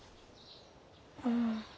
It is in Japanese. うん。